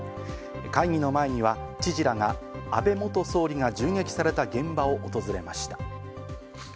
会議の前には知事らが安倍元総理が銃撃された現場を訪れました。